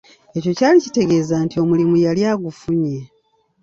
Ekyo kyali kitegeeza nti omulimu yali agufunye.